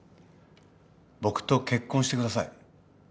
僕と結婚してください。